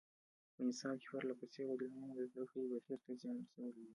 په نصاب کې پرله پسې بدلونونو د زده کړې بهیر ته زیان رسولی دی.